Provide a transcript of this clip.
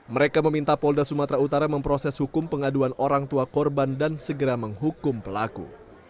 mereka meminta polda sumatera utara memproses hukum pengaduan orang tua korban dan segera menghukum pelaku